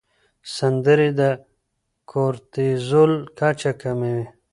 سندرې د کورتیزول کچه کموي.